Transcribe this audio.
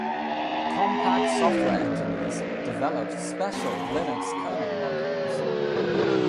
Compaq software engineers developed special Linux kernel modules.